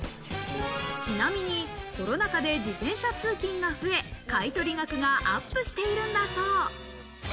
ちなみに、コロナ禍で自転車通勤が増え、買取額がアップしているんだそう。